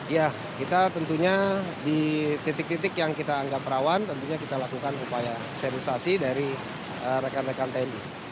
ya kita tentunya di titik titik yang kita anggap rawan tentunya kita lakukan upaya sterilisasi dari rekan rekan tni